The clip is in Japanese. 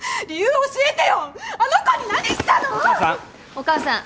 お母さん。